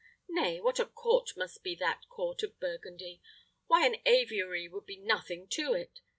Nay, what a court must be that court of Burgundy! Why, an aviary would be nothing to it!